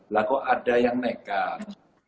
lalu ada yang nekat